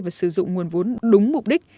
và sử dụng nguồn vốn đúng mục đích